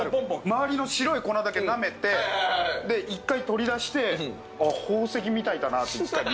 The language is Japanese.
周りの白い粉だけなめて１回取り出して「宝石みたいだな」って１回見る。